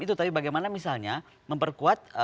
itu tapi bagaimana misalnya memperkuat